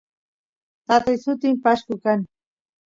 tatay sutin pashku kan